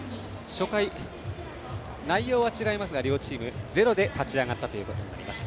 初回、内容は違いますが両チームゼロで立ち上がったということになります。